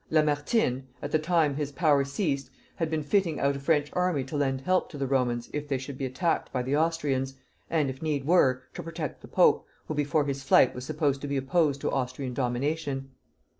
Lamartine, at the time his power ceased, had been fitting out a French army to lend help to the Romans if they should be attacked by the Austrians, and if need were, to protect the pope, who before his flight was supposed to be opposed to Austrian domination.